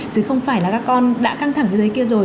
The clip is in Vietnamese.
chứ không phải là các con đã căng thẳng dưới kia rồi